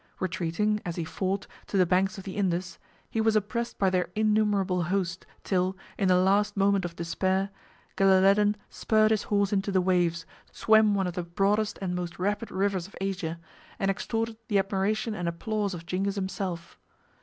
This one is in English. Retreating, as he fought, to the banks of the Indus, he was oppressed by their innumerable host, till, in the last moment of despair, Gelaleddin spurred his horse into the waves, swam one of the broadest and most rapid rivers of Asia, and extorted the admiration and applause of Zingis himself.